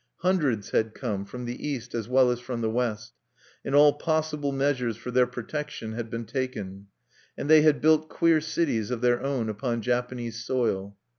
Hundreds had come, from the East as well as from the West; and all possible measures for their protection had been taken; and they had built queer cities of their own upon Japanese soil.